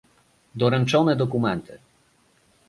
Doręczone dokumenty